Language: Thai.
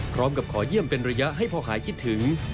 พร้อมกับขอเยี่ยมเป็นระยะให้พ่อหายคิดถึง